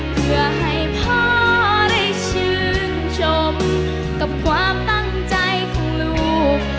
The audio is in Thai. เพื่อให้พ่อได้ชื่นชมกับความตั้งใจของลูก